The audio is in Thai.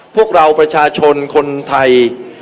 พวกเราประชาชนคนไทย